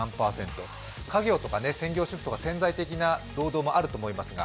家業とか専業主婦とか潜在的な労働もあるとおもいますが。